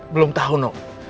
belum tahu noh